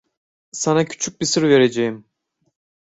Sana küçük bir sır vereceğim.